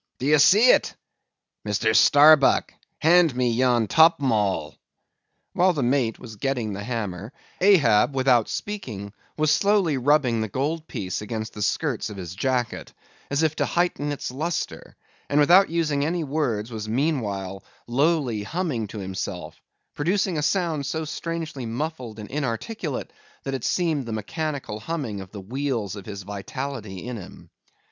D'ye see it? Mr. Starbuck, hand me yon top maul." While the mate was getting the hammer, Ahab, without speaking, was slowly rubbing the gold piece against the skirts of his jacket, as if to heighten its lustre, and without using any words was meanwhile lowly humming to himself, producing a sound so strangely muffled and inarticulate that it seemed the mechanical humming of the wheels of his vitality in him.